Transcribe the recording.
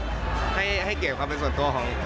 ผมก็ไม่มีอะไรขึ้นหน้าจริงเป็นเพื่อนกันอยากจะนั่งด้วยกัน